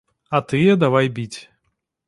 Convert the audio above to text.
А тыя давай біць.